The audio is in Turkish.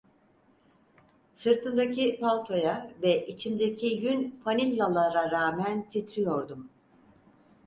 Sırtımdaki paltoya ve içimdeki yün fanilalara rağmen titriyordum.